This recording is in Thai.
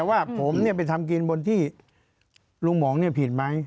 ว่าผมไปทำกินบนที่ลุงหมองผิดไหม